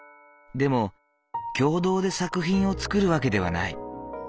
でも共同で作品を作る訳ではない。